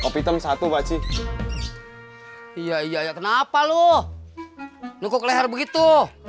kopi tempat tuh paci iya iya kenapa lu nukuk leher begitu